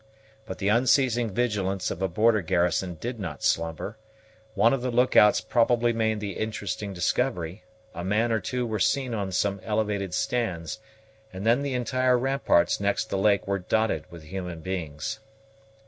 But the unceasing vigilance of a border garrison did not slumber: one of the look outs probably made the interesting discovery; a man or two were seen on some elevated stands, and then the entire ramparts next the lake were dotted with human beings.